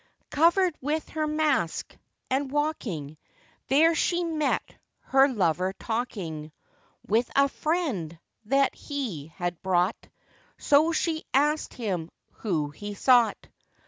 Covered with her mask, and walking, There she met her lover talking With a friend that he had brought; So she asked him whom he sought.